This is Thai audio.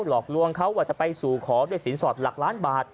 หลอกลวงเขาว่าจะไปสู่ขอด้วยสินสอดหลักล้านบาท